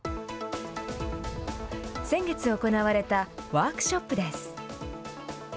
先月行われたワークショップです。